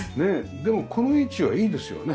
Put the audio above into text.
でもこの位置はいいですよね